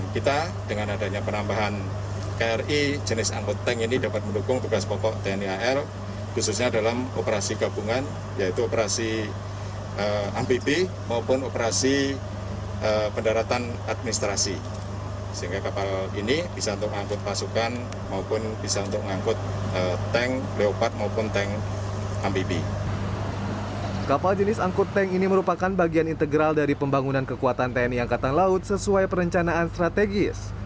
kapal jenis angkut tank ini merupakan bagian integral dari pembangunan kekuatan tni angkatan laut sesuai perencanaan strategis